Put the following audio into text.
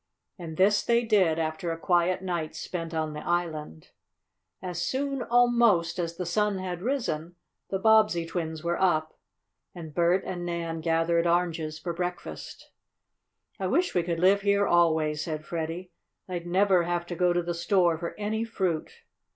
And this they did, after a quiet night spent on the island. As soon, almost, as the sun had risen, the Bobbsey twins were up, and Bert and Nan gathered oranges for breakfast. "I wish we could live here always," said Freddie. "I'd never have to go to the store for any fruit."